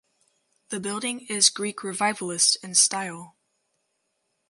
The building is Greek Revivalist in style.